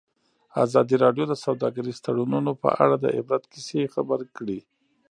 ازادي راډیو د سوداګریز تړونونه په اړه د عبرت کیسې خبر کړي.